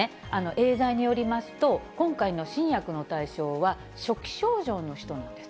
エーザイによりますと、今回の新薬の対象は、初期症状の人なんです。